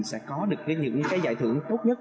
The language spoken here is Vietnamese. sẽ có được những cái giải thưởng tốt nhất